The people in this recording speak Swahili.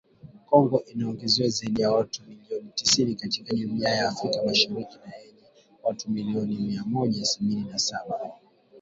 Kongo inaongeza zaidi ya watu milioni tisini katika Jumuiya ya Afrika Mashariki yenye watu milioni Mia Moja sabini na saba .